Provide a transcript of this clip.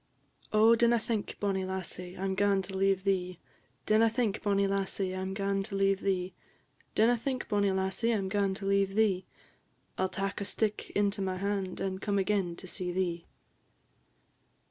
"_ "Oh, dinna think, bonnie lassie, I 'm gaun to leave thee! Dinna think, bonnie lassie, I 'm gaun to leave thee; Dinna think, bonnie lassie, I 'm gaun to leave thee; I 'll tak a stick into my hand, and come again and see thee."